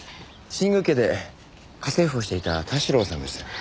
新宮家で家政婦をしていた田代さんです。